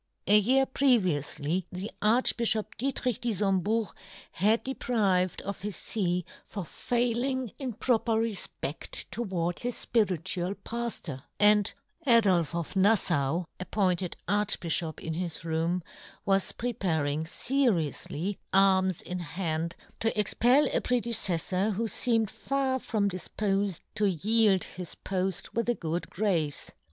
A year previoully the Arch bifhop Dietrich d'Ifembourg had been deprived of his fee for failing in proper refpedt towards his fpiritual paftor, and Adolfe of Naffau, appointed Arch bifhop in his room, was preparing feri oufly, arms in hand, to expel a prede cefTor who feemed far from difpofed to yield his poft with a good grace.